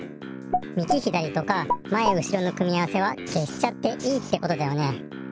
みぎひだりとかまえうしろの組み合わせはけしちゃっていいってことだよね。